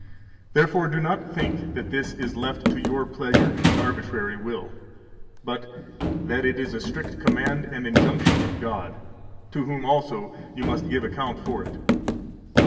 169 Therefore do not think that this is left to your pleasure and arbitrary will, but that it is a strict command and injunction of God, to whom also you must give account for it.